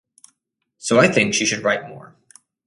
So I think she should write more.